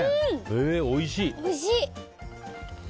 おいしい。